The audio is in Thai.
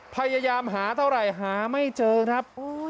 พยายามหาเท่าไหร่หาไม่เจอครับ